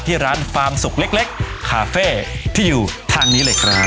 ที่ร้านฟาร์มสุกเล็กคาเฟ่ที่อยู่ทางนี้เลยครับ